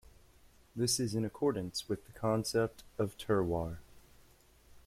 This is in accordance with the concept of "terroir".